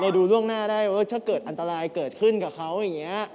ดูล่วงหน้าได้ว่าถ้าเกิดอันตรายเกิดขึ้นกับเขาอย่างนี้